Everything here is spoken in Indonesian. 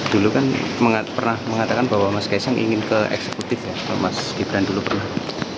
dulu kan pernah mengatakan bahwa mas kaisang ingin ke eksekutif ya mas gibran dulu pernah